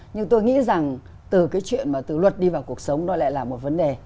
nhưng tôi nghĩ rằng từ cái chuyện mà từ luật đi vào cuộc sống nó lại là một vấn đề